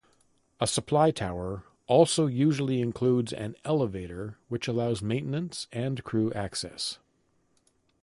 A supply tower also usually includes an elevator which allows maintenance and crew access.